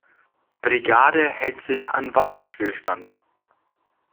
Brigade hält sich an Waffenstillstand.